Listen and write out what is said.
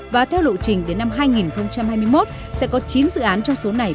và theo lộ trình đến năm hai nghìn hai mươi một sẽ có chín dự án trong số này